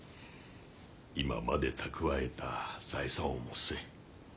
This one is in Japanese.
今まで蓄えた財産を持っせえ